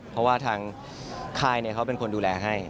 เพราะว่าทางค่ายเขาเป็นคนดูแลให้